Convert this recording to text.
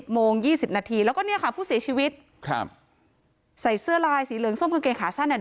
๑๐โมง๒๐นาทีแล้วก็นี่ค่ะผู้เสียชีวิตใส่เสื้อลายสีเหลืองส้มกางเกงขาสั้นเดินตามเข้าไป